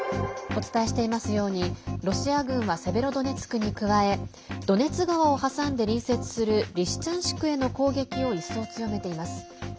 お伝えしていますようにロシア軍はセベロドネツクに加えドネツ川を挟んで隣接するリシチャンシクへの攻撃を一層強めています。